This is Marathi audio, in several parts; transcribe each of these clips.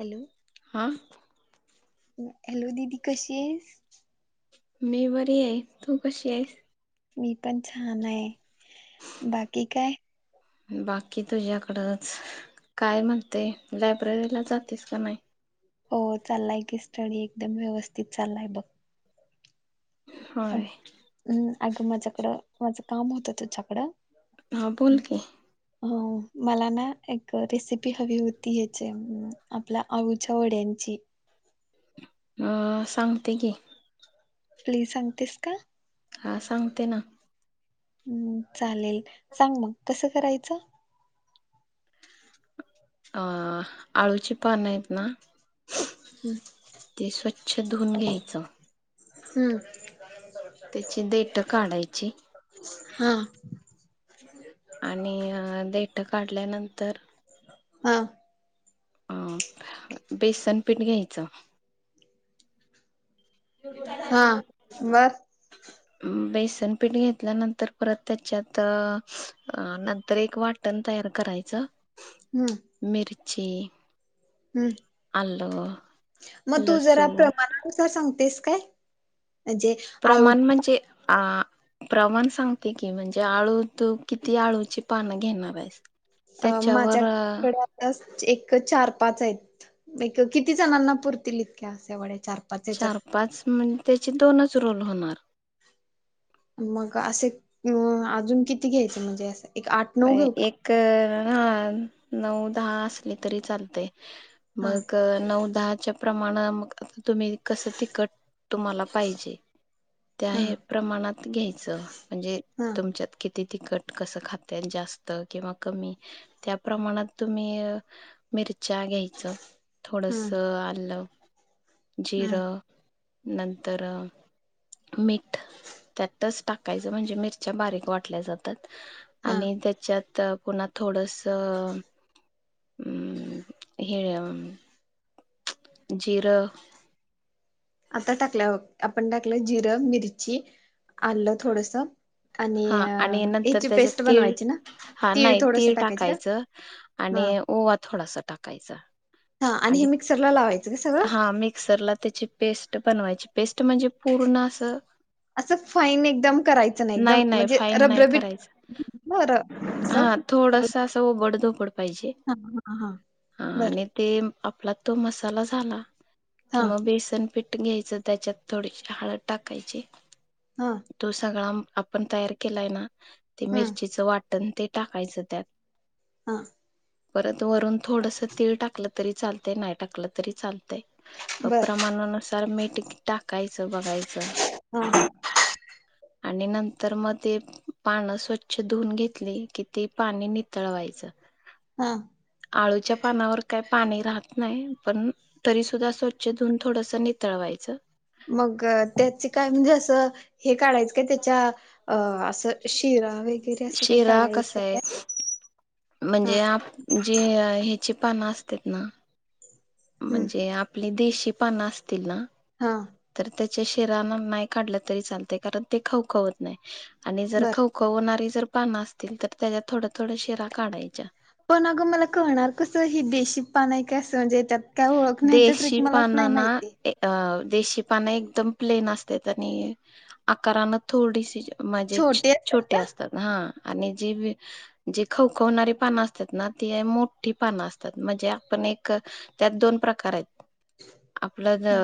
हॅलो! हा हॅलो दिदी कशी आहे? मी बरी आहे, तू कशी आहे. मी पण छान आहे, बाकी काय. बाकी तुझ्याकडंच काय म्हणते, लायब्ररीला जातेस का नाही. हो चाललाय की स्टडी एकदम व्यवस्थित चाललाय बघ. होय! हूं अगं माझ्याकडं माझं काम होतं तुच्याकडं. हां बोल की! अ मला ना एक रेसिपी हवी होती, याची आपल अळूचा वड्यांची. अ सांगते की! प्लीज सांगतेस का? हा सांगते ना! हूं चालेल सांग मंग कसं करायच. अ आळूची पान हेत ना! ते स्वच्छ धुवून घ्यायचं. हूं! त्याचे देठ काढायची. हा! म्हणजे! आणि अ देठ काढल्यानंतर. हा! अ बेसनपीठ घ्यायचं. हा [unintelligible] [inaudible] बेसन पीठ घेतल्यानंतर परत त्याच्यात अ नंतर एक वा टन तयार करायचं. हूं! मिरची! हूं आलं म तू जरा लसूण प्रमाणात तस सांगतेस काय म्हणजे आळू प्रमाण म्हणजे आ! प्रमाण सांगते की, म्हणजे आळू तू किती आळूची पानं घेणार आहेस. अ त्याच्यावर माझ्याकडे अस एक चार पाच आहेत, एक किती जणांना पुरतील इतक्या अस्या वड्या चार- पाच ह्याच्यात चार पाच मंग त्याचे दोनच रोल होणार. मग असे मिळून आजुनं किती घ्यायचे म्हणजे अस. मं एक हा नऊ दहा असले तरी चालतय. हा मग नऊ दहाच्या प्रमाण, मग तुम्ही कसं तिकट तुमाला पाहिजे. त्या हा हे प्रमाणात घ्यायचं, म्हणजे हा तुमच्यात किती तिखट, कसं खात ते जास्त किंवा कमी, त्या प्रमाणात तुम्ही अ मिरच्या घ्याय च. थोडस हम्म आल्लं हम्म जिरं, नंतर.., मीठ्ठं त्यातच टाकायचं, म्हणजे मिरच्या बारीक वाटल्या जातात. हा आणि त्या च्यात पुन्हा थोडस हे--अ अं जिरं आता टाकल्याव, आपण टाकलं जिरं, मिरची, आलं थोडसं आनि हा अ आणि नंतर हेची त्याच्यात पेस्ट तीळ बनवायची ना? हा तीळ नाही थोडसं टाकायंचं का? टाकायचं हा आणि ओवा थोडासा टाकायचा. हा, आणि हे मिक्सरला लावायचं. का सगळं हा, मिक्सरला त्याची पेस्ट बनवायची. पेस्ट म्हणजे पूर्ण असं असं फाईन एकदम करायचं ना, एकदम नाही नाही म्हणजे फाईन नाही रबरबीत र असं थोडसं असं ओबड धोबड पाहिजे हा हा हा बर आणि ते म् आपला तो मसाला झाला, हा की म बेसन पीट् ट् घ्यायचं, त्याच्यात थोडीशी हळद टाकायची हं. तो सगळा म् आपन तयार केलाय ना, ते हा मिरचीचं वाटन, ते टाकायचं त्यात- हां परत वरून थोडसं तीळ टाकलं तरी चालते, नाई टाकलं तरी चाल तयं. अ बर प्रमाणानुसार मीट कित टाकायचं बघायचं. हं हं. आणि नंतर मग ते पाणं स्वच्छ धुवून घेतली, कि ती पानी नितळवायचं. हा. आळूच्या पानावर काही पानी राहात नाही पन तरी सुद्धा स्वच्छ धुऊन, थोडसं नितळवायचं. मग त्याची काय म्हणजे असं, हे काढायचं काय, त्याच्या अ सर, शिरा हवे. शिरा कसाय? हा म्हणजे, आप जे ह्याची पानं असतेत ना- हम् म्हनजे आपली देशी पानं असतील ना हा तर त्याच्या शेराना नाही काढलं तरी चालते, कारण ते खवखवत नाही. आणि जर बर खव कवणारी जर पानं असतील, तर त्याच्या थोड्या थोड्या शिरा काढायच्या. पण अगं, मला कळणार कसं, हे देशी पान आहे काय? असं म्हणजे त्यात काय ओळखन्याची ट्रिक देशी मलाच नाही पानांना माहिती. अ देशी पानं एकदम प्लेन असत्यात, आनि आकारान थोडीसी. मंजे छ.. छोटे असतात, हा, आणि जे जी खवखवणारी पानं असत्यात ना, ती मोठ्ठी पानं असतात, म्हणजे आपण एक त्यात दोन प्रकार आहेत, आपलं ज हा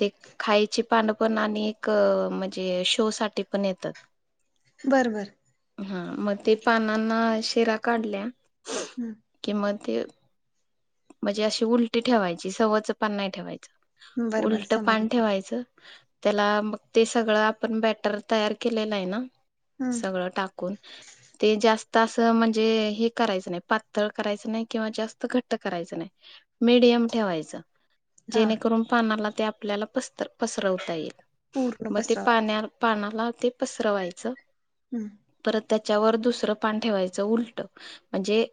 ते खायची पानं पन, आनि एक म्हजे शो साठी पन येतात. बरं बरं. हा मग ते पानांना शिरा काढल्या. हम्म. कि मते. म्हणजे अशी उलटी ठेवायची सवचं पान नाही ठेवायचं बर बर उलट पान समजलं ठेवायचं. त्याला मग ते सगळं आपण बॅटर तयार केलेलं आहे ना. हम् सगळं टाकून ते जास्त तसं म्हणजे हे करायचं नाही पातळ करायचं नाही किंवा जास्त घट करायच नाही मिडयम ठेवायच हा जेणेकरून पानाला ते आपल्याला पस्तर. पसरवता येईल पूर्ण मग ते पसरवायचा पाण्या पानाला ते पसरवायचं. हम्म. परत त्याच्यावर दुसरं पान ठेवायचं उलट म्हणजे.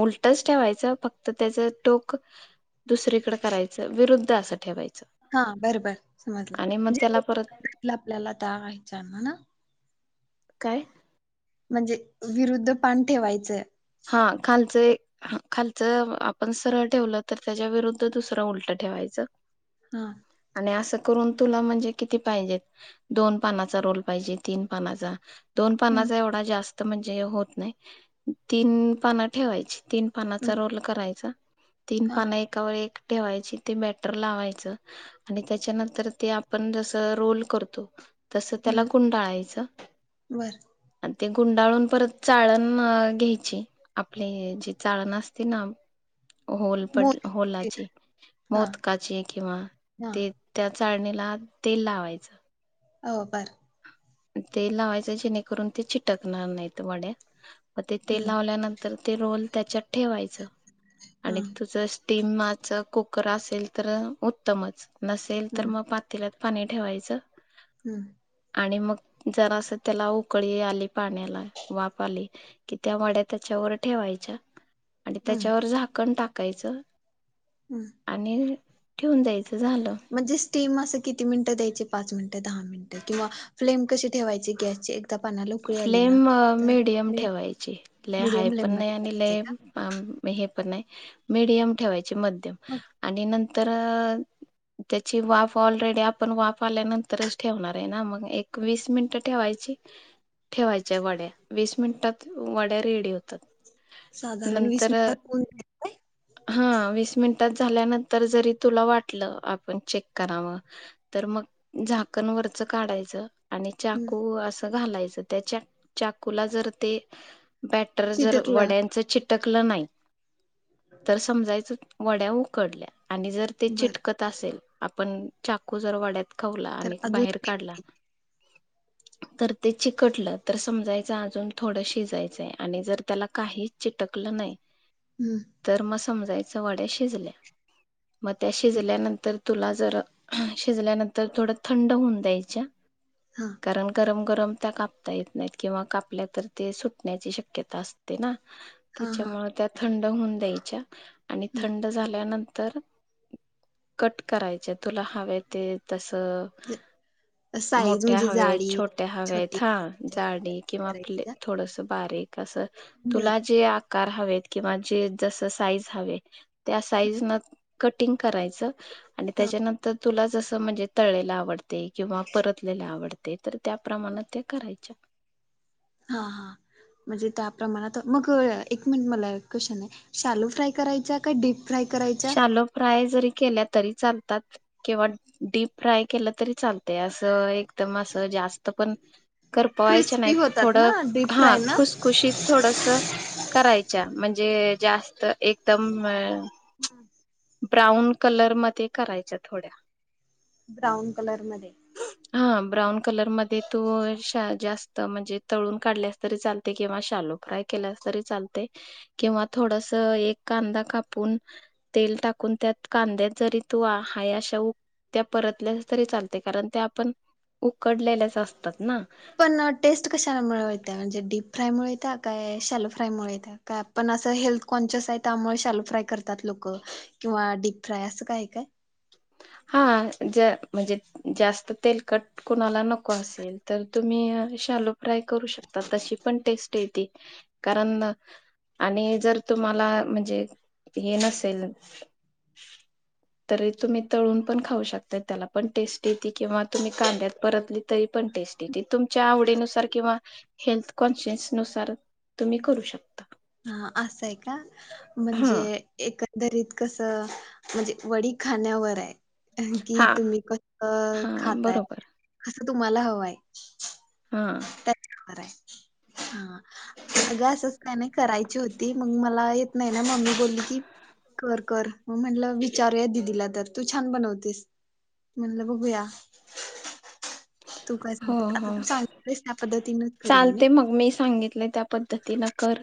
उलटच ठेवायचं फक्त. तर त्याच टोकदुसरीकडे करायचं विरुध्द असं ठेवायचं. हा बरं बर आणि मग समजलं त्याला परत जे आपल्याला त्या दाबायच्या ना. काय? म्हणजे विरुद्ध पान ठेवायचं हा खालचं. ह खालचं आपण सरळ ठेवलं तर त्याच्या विरुद्ध दुसरं उलट ठेवायचं. हा. आणिअस करुन तुला म्हणजे किती पाहिजेत. दोन पानाचा रोल पाहिजे तीन पानाचा. दोन हम्म पाणाचाएवढा जास्त म्हणजे होत नाही. तीन पान ठेवायची तीन पानाचा रोल करायचा तीन हा पान एका वर एक. ठेवायची ते बॅटर लावायचं. आणि त्याच्यानंतर ते आपण जस रोल करतो. तसं त्याला हम्म गुंडाळायचं. बर ते गुंडाळून परत चाळण घ्याय. जे आपली जी चाळण आसतेना. होल मो पट होलाचे हा मोदकाचे किंवा हा ते त्या चाळणीला तेल लावायचं. हो बर. तेल लावायचं जेणेकरून ते चिटकणार नाहीत वड्या म ते तेल हम्म लावल्यानंतर ते रोल त्याच्यात ठेवायचं हा आणि तुझ स्टीमच कुकर असेल तर उत्तमच नसेल तर हम्म मग प तेलात पाणी ठेवायचं. हम्म. आणि मग जरास त्याला उकळी आली पाण्याला वाफ आली. त्या वाड्या त्याच्यावर ठेवायच्या आणि हम्म त्याच्यावर झाकण टाकायचं. हम्. आणि ठेवून द्या यचं झालं. म्हणजे स्टीम असं किती मिनिटं द्यायची, पाच मिनिटं दहा मिनिटं, किंवा फ्लेम कशी ठेवायचे गॅसची एक फ्लेम मीडियम ठेवायची, लय हाय मीडियम पण फ्लेम नाही मध्ये आणि करायचंय का लयऽ हे पण नाही, मिडियम ठेवायची मध्यम, मग आणि नंतर त्याची वाफ ऑलरेडी आपण वाफ आल्यानंतरच ठेवणार हे ना मग एक वीस मिनिटं ठेवायची ठेवायच्या वड्या, वीस मिनिटात वड्या रेडी होतात. साधारण वीस नंतर मिनिटात होतात काय? हा, वीस मिनिटात झाल्यानंतर जरी तुला वाटलं, आपण चेक करावं तर मग, झाकण वरच काढायचं आणि हं, चाकू असं घालायचं त्याच्यात चाकूला जर ते, बॅटर जर चिटकलं वड्यांचं चिटकलं नाही, तर समजायचं वड्या उकडल्या आणि जर ते बर चिटकत असेल, आपण चाकू जर वड्यात खवला तर आणि बाहेर तो अजून बाहेर काढला, तर ते ची कटलं तर समजायचं अजून थोडं शिजायचंय, आणि जर त्याला काहीच चिटकलं नाही हम्म. तर मग समजायचं वड्या शिजल्या, मग त्या शिजल्यानंतर तुला जर, शिजल्यानंतर थोड थंड होऊन द्यायच्या. हां. गरम गरम गरम त्या का येत नाही, किंवा कापल्या तर ते सुटण्याची शक्यता असते ना, हा हा त्याच्यामुळे त्यात थंड होऊन द्यायच्या, आणि थंड झाल्यानंतर कट करायचे, तुला हवे ते तसं हं. साईज मोठ्या म्हणजे हव्यात, जाडी छोट्या हव्यात, छोटी हा, जाडी किंवा आपले करायच थोडस बारीक असं, तुला बर जे आकार हवेत, किंवा जे जस साईज हवी त्या साईज न कटिंग करायचं. आणि ह त्याच्यानंतर तुला जसं म्हणजे तळलेलं आवडतय, किंवा परतलेल आवडतय तर त्या प्रमाणात त्या करायच्या. हा हा. म्हणजे त्या प्रमाणात, मग एक मिनिट मला क्वेशन आहे, शालू फ्राय करायचा का डीप फ्राय करायच्या शालोप्राय जरी केल्या तरी चालतात किंवा डीप फ्राय केलं तरी चालतंय, असं एकदम असं जास्त पण, करपवायच्या क्रिस्पी नाहीत, होतात थोडं ना डीप हा फ्राय ना खुसखुशीत थोडस करायच्या, म्हणजे जास्त एकदम हम्म. ब्राऊन कलर मध्ये करायच्या थोड्या. ब्राऊन कलर मध्ये. हा ब्राऊन कलर मध्ये तू जास्त, म्हणजे तळून काढल्यास तरी चाल तय किंवा शालो फ्राय केल्या तरी चालतय. किंवा थोडस एक कांदा कापून, तेल टाकून त्यात, कांद्यात जरी तू हाय अशा ऊ त्या परतल्या तरी चालतय, कारण त्या आपण उकडलेल्याच असतात ना. पण टेस्ट कशामुळे येत्या, म्हणजे डीप फ्रायमुळे येत्या, काय शॅलो फ्रायमुळे येत्या? काय पण असं हेल्थ कॉन्शियस आहे त्यामुळे शालो फ्राय करतात लोकं किंवा डीप फ्राय असं काय हाय काय? हा, ज म्हणजे, जास्त तेल कट कुणाला नको असेल तर तुम्ही शालो फ्राय करू शकता, तशी पण टेस्ट येते, कारण आणि जर तुम्हाला म्हणजे, हे नसेल तरी तुम्ही तळून पण खाऊ शकतात त्याला पण टेस्ट येते किंवा तुम्ही कांद्यात परतली तरी पण टेस्ट ते तुमच्या आवडीनुसार किंवा हेल्थ कॉन्शियस नुसार तुम्ही करू शकता. ह असंय का? हा म्हणजे एकंदरीत कसं म्हणजे वडी खाण्यावर हाय. कि हा तुम्ही हा कस खाताय बरोबर कसं तुम्हाला हवंय. ह. बर आहे. हा. घ असच का नाही याची होती मग मला येत नाही ना मम्मी बोलली की म्हट विचारूया दिदीला तर तू छान बनवतेस. म्हणलं बघूया. तू काय हो सांगतेस. आता हो तू सांगस त्या पद्धतीनच करीन मी. ग मी सांगित पद्धतीन कर.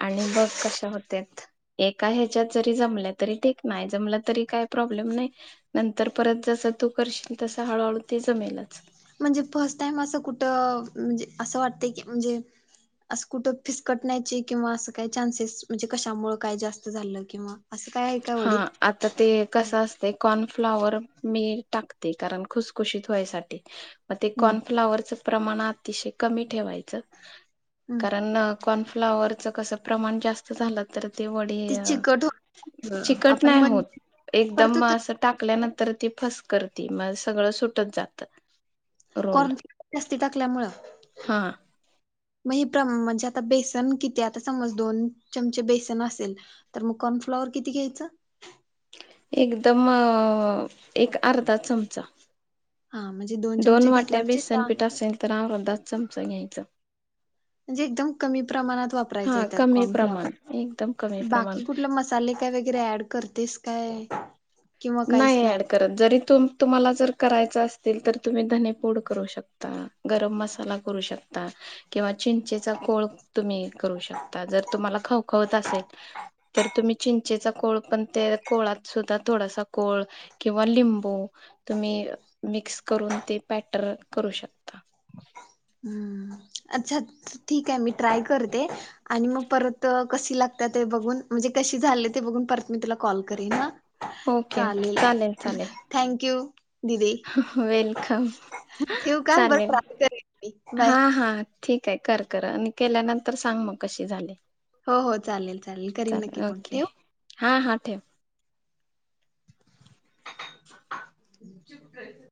आणि बघ कशा होत्यात. एका ह्याच्यात जरी जमल्या तरी ठीक. नाही जमलं तरी काही प्रॉब्लेम नाही. नंतर परत जस तू करशील तस हळूहळू ते जमेलच. म्हणजे फर्स्ट टाईम असं कुठं म्हणजे असं वाटत की म्हणजे असं कुठं फिसकटण्याचे किंवा असं काय चान्सेस म्हणजे कशामुळे काय जास्त झालं किंवा असं काय आहे का हा. वडीत आता ते काय कसं असते कॉर्नफ्लावर मी टाकते. कारण खुसखुशीत व्हायसाठी. मग ते हम्म कॉर्नफ्लाॉवरचं प्रमाण अतिशय कमी ठेवायचं. हम्म कारण कॉर्नफ्लाॉवरच कसं प्रमाण जास्त झालं तर ते वडे ती चिकट हो चिकट आपण नाही म्हण होत. एकदम परत अस टाकल्यानंतर ती फस करती. मग सगळं सुटत जात. रोल कॉर्नफ्लिक जास्ती टाकल्यामुळं. हा मग ह प्र म्हणजे आता बेसन किती आता समज दोन चमचे बेसन असेल मग कॉनफ्ॉवर किती घ्यायचं? एकदम एक अर्धा चमचा. हा. म्हण दोन वाट्या बेसनपीठ असेल तर अ अर्धात चमचा घ्यायचं. म्हणजे एकदम कमी प्रमाणात वापरायचं हा आहे तर कमी कॉर्नफ्लवर. प्रमाण एकदम कमी प्रमाण बाकी कुठलं मस्त मसाले काय वगैरे ऍड करतेस काय? किंवा काहीच नाही ऍड करत जरी तुम तुम्हाला जर करायच असतील तर तुम्ही धने पोड करू शकता. गरम मसाला करू शकता. किंवा चिंचेचा कोळ तुम्ही करू शकता जर तुम्हाला खवखवत असेल तर तुम्ही चिंचेचा कोळ पण त्या कोळात सुद्धा थोडासा कोळ किंवा लिंबू तुम्ही मिक्स करून ते पॅटर करू शकता. हम्. अच्छा ठीक आहे. मी ट्राय करते. आणि मग परत क लागते बघून म्हणजे कशी झाले ते बघून परत मी तुला कॉल करेन हा. ओके ओके चालेल चालेल थँंक यू. दिदी. वेलकम ठेवू का? बरं चालेल. ट्राय करीन. हा हा ठीक आहे. कर कर. आणि केल्यानंतर सांग मग कशी झाली. हो हो चालेल चालेल. करीन नक्की फोन ठेवू. हा हा ठेव. [unintelligible]